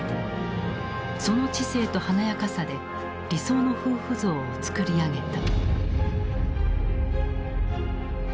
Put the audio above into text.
その知性と華やかさで理想の夫婦像をつくり上げた。